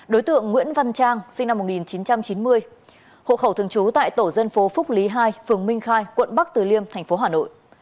đối tượng nguyễn văn trang sinh năm một nghìn chín trăm chín mươi hộ khẩu thường trú tại tổ dân phố phúc lý hai phường minh khai quận bắc từ liêm thành phố hà nội